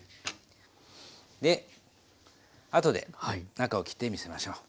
で後で中を切って見せましょう。